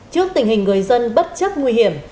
trước tình hình người dân bất chấp nguy hiểm